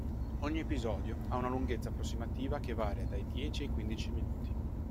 Ogni episodio ha una lunghezza approssimativa che varia dai dieci ai quindici minuti.